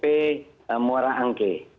ksop muara angke